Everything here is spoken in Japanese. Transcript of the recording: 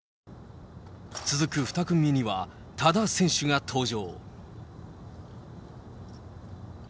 続く２組目には、多田選手が登場。